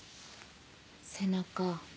背中。